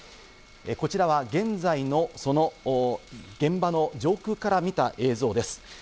こちらは現在の現場の上空から見た映像です。